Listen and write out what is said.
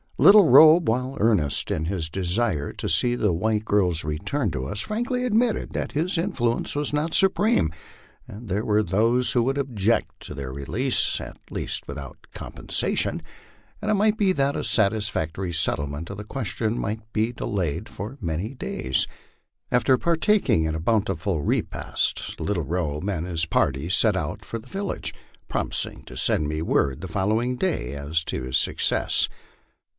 Little Robe, while earnest in his desire to see the white girls returned to us, frankly admitted that his influence was not supreme, and there were those who would object to their release, at least without compensation; and it might bo that a satisfactory settlement of the question might be delayed for many days. 248 MY LIFE ON THE PLAINS. After partaking of a bountiful repast, Little Robe and his party set out for the village, promising to send me word the following day as to his success.